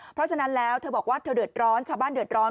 เพราะฉะนั้นแล้วเธอบอกว่าเธอเดือดร้อน